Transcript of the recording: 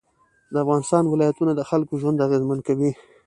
د افغانستان ولایتونه د خلکو ژوند اغېزمن کوي.